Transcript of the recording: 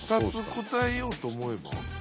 ２つ答えようと思えば？